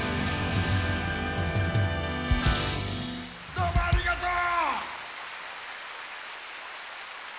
どうもありがとう！